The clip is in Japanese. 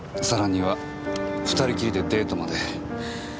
さらには２人きりでデートまで。